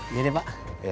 iya deh pak